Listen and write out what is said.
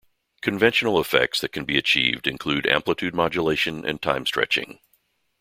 Conventional effects that can be achieved include amplitude modulation and time stretching.